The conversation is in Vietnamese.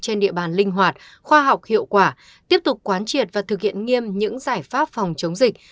trên địa bàn linh hoạt khoa học hiệu quả tiếp tục quán triệt và thực hiện nghiêm những giải pháp phòng chống dịch